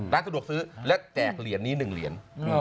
ร้านสะดวกซื้อและแจกเหรียญนี้๑เหรียญ